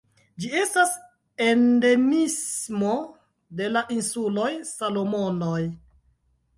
Ĝi estas endemismo de la insuloj Salomonoj.